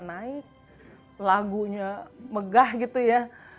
naik lagunya megah gitu ya